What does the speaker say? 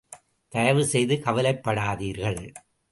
தயவு செய்து கவலைப்படாதீர்கள்.